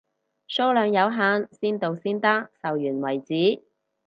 數量有限，先到先得，售完為止，